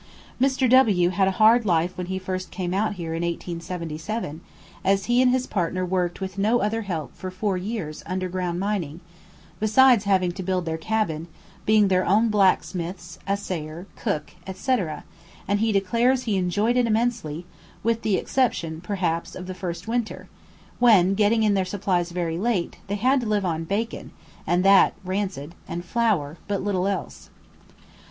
Mr. W had a hard life when he first came out here in 1877; as he and his partner worked with no other help for four years underground mining, besides having to build their cabin, being their own blacksmiths, assayer, cook, &c., and he declares he enjoyed it immensely, with the exception, perhaps, of the first winter, when, getting in their supplies very late, they had to live on bacon (and that rancid) and flour, but little else.